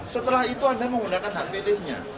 setelah itu anda menggunakan hpd nya